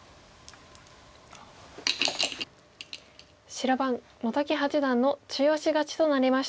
白番本木八段の中押し勝ちとなりました。